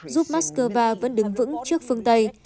giúp moscow vẫn đứng vững trước phương tây